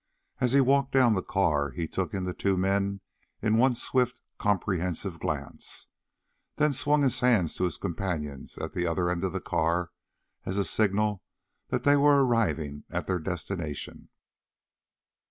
As he walked down the car, he took in the two men in one swift, comprehensive glance, then swung his hands to his companions at the other end of the car, as a signal that they were arriving at their destination.